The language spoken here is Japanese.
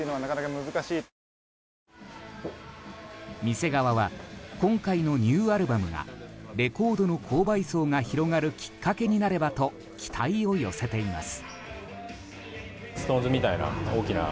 店側は今回のニューアルバムがレコードの購買層が広がるきっかけになればと期待を寄せています。